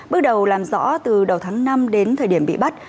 bước đầu làm rõ từ đầu tháng năm đến thời điểm bị bắt